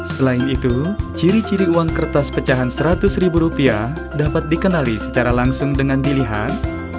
selain itu ciri ciri uang kertas pecahan rp seratus dapat dikenali secara langsung dengan dilihat